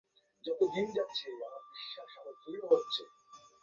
শ্রমিকদের ভাষ্য, কারখানা গাজীপুরে স্থানান্তর করা হলে অনেক শ্রমিকই সেখানে যাবেন না।